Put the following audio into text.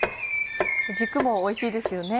軸もおいしいですよね。